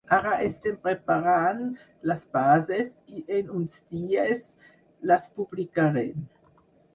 Ara estem preparant les bases i en uns dies les publicarem.